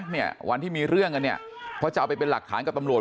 เนี่ยวันที่มีเรื่องกันเนี่ยเพราะจะเอาไปเป็นหลักฐานกับตำรวจ